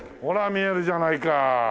見えるじゃないか！